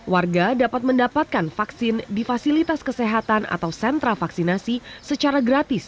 warga dapat mendapatkan vaksin di fasilitas kesehatan atau sentra vaksinasi secara gratis